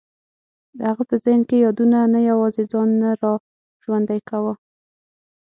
د هغه په ذهن کې یادونو نه یوازې ځان نه را ژوندی کاوه.